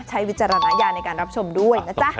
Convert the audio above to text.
วิจารณญาณในการรับชมด้วยนะจ๊ะ